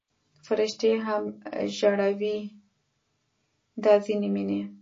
فرشتې هم ژړوي دا ځینې مینې